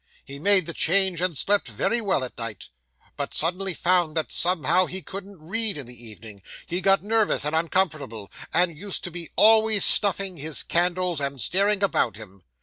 He made the change, and slept very well at night, but suddenly found that, somehow, he couldn't read in the evening: he got nervous and uncomfortable, and used to be always snuffing his candles and staring about him.